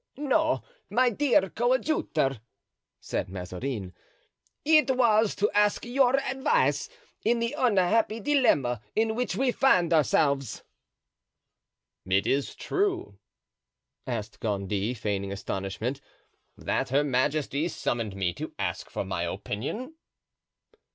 "No, my dear coadjutor," said Mazarin; "it was to ask your advice in the unhappy dilemma in which we find ourselves." "Is it true," asked Gondy, feigning astonishment, "that her majesty summoned me to ask for my opinion?"